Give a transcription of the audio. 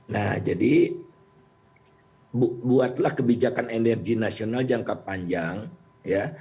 nah jadi buatlah kebijakan energi nasional jangka panjang ya